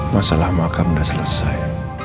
masalah makam udah selesai